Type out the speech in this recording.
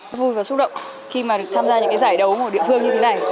rất vui và xúc động khi mà tham gia những cái giải đấu ở địa phương như thế này